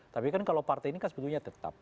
tapi kan kalau partai ini kan sebetulnya tetap